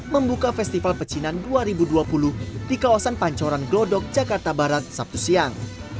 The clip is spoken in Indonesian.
membuka festival pecinan dua ribu dua puluh di kawasan pancoran glodok jakarta barat sabtu siang